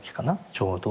ちょうど。